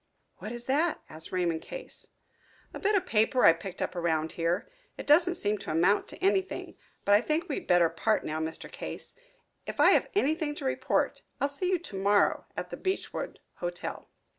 "What is that?" asked Raymond Case. "A bit of paper I picked up around here. It doesn't seem to amount to anything. But I think we had better part now, Mr. Case. If I have anything to report I'll see you to morrow at the Beechwood Hotel."